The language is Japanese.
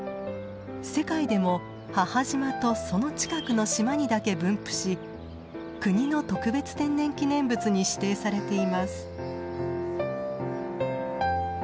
世界でも母島とその近くの島にだけ分布し国の特別天然記念物に指定されています。